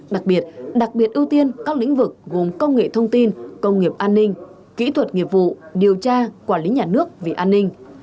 đặc biệt đặc biệt ưu tiên các lĩnh vực gồm công nghệ thông tin công nghiệp an ninh kỹ thuật nghiệp vụ điều tra quản lý nhà nước vì an ninh